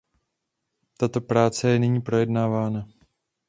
Tato práce je nyní projednávána.